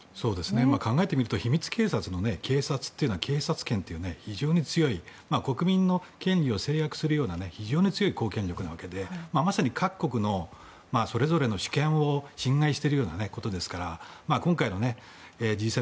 考えてみると秘密警察の警察っていうのは警察権という非常に強い国民の権利を制約するような強い公権力なのでまさに各国のそれぞれの主権を侵害しているようなことですから今回のＧ７